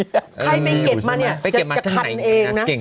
ใครไปเก็บมาเนี่ยจะทันเองนะ